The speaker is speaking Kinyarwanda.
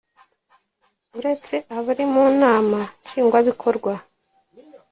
Uretse abari mu nama Nshingwabikorwa